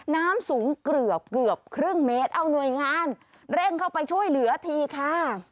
น้ำสูงเกือบเกือบครึ่งเมตรเอาหน่วยงานเร่งเข้าไปช่วยเหลือทีค่ะ